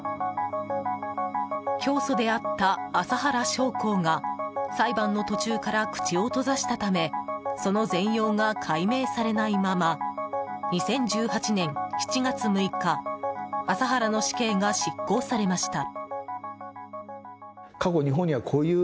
教祖であった麻原彰晃が裁判の途中から口を閉ざしたためその全容が解明されないまま２０１８年７月６日麻原の死刑が執行されました。